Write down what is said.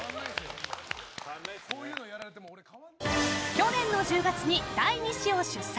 去年の１０月に第２子を出産。